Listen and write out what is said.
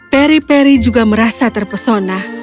peri peri juga merasa terpesona